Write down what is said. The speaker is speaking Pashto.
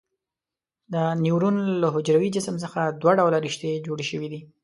د نیورون له حجروي جسم څخه دوه ډوله رشتې جوړې شوي دي.